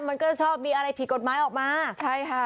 มันก็ชอบมีอะไรผิดกฎหมายออกมาใช่ค่ะ